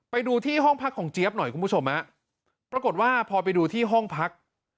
ไปดูที่ห้องพักของเจี๊ยบหน่อยคุณผู้ชมฮะปรากฏว่าพอไปดูที่ห้องพัก